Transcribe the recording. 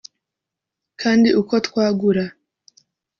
Kandi uko twagura